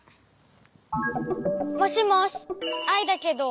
もしもしアイだけど。